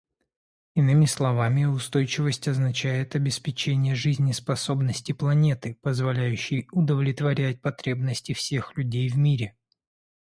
Иными словами, устойчивость означает обеспечение жизнеспособности планеты, позволяющей удовлетворять потребности всех людей в мире.